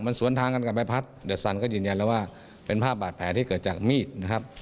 มันสวนทางกันกับใบพัดเดอร์สันก็ยืนยันแล้วว่าเป็นภาพบาดแผลที่เกิดจากมีดนะครับ